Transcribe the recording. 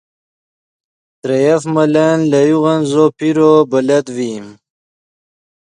ترے یف ملن لے یوغن زو پیرو بلت ڤئیم